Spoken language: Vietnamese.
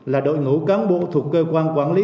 là đội ngũ cán bộ thuộc cơ quan quản lý